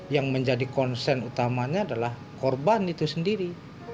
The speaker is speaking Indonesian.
yang menjadi konsen utamanya adalah korban itu sendiri